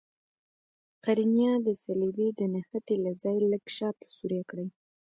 قرنیه د صلبیې د نښتې له ځای لږ شاته سورۍ کړئ.